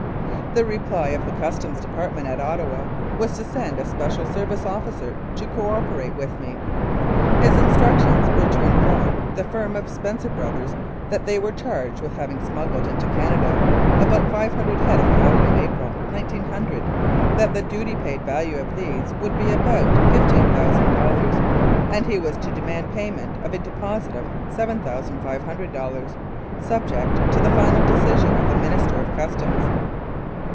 The reply of the Customs Department at Ottawa was to send a Special Service officer to co operate with me. His instructions were to inform the firm of Spencer Brothers that they were charged with having smuggled into Canada about 500 head of cattle in April, 1900, that the duty paid value of these would be about $15,000, and he was to demand payment of a deposit of $7,500 subject to the final decision of the Minister of Customs.